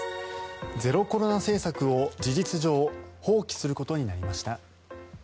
ゼロコロナ政策を事実上放棄することになりました。